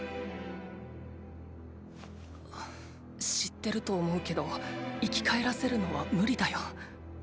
知ってると思うけど生き返らせるのは無理だよ。